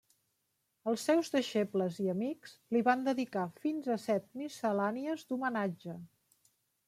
Els seus deixebles i amics li van dedicar fins a set miscel·lànies d'homenatge.